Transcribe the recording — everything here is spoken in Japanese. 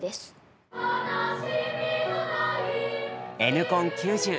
「Ｎコン９０」